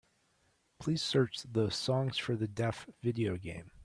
Please search the Songs for the Deaf video game.